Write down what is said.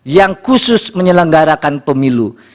yang khusus menyelenggarakan pemilu